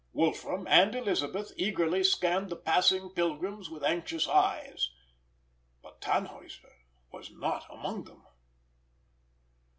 Wolfram and Elisabeth eagerly scanned the passing pilgrims with anxious eyes; but Tannhäuser was not amongst them.